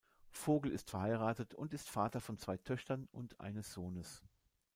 Vogel ist verheiratet und ist Vater von zwei Töchtern und eines Sohnes.